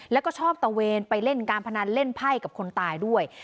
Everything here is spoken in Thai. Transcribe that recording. แล้วก็ชอบตะเวนไปเล่นการพนันเล่นไพ่กับคนตายด้วย